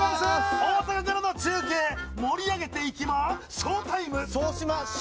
大阪からの中継盛り上げていきまショータイム。